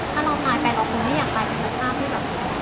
ถ้าเราตายไปเราไม่อยากตายไปสุขค่ะ